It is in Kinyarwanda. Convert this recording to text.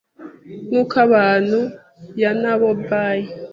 Nk uko abantu y na bo bay